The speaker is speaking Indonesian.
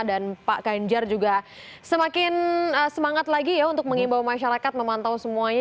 dan pak ganjar juga semakin semangat lagi ya untuk mengimbau masyarakat memantau semuanya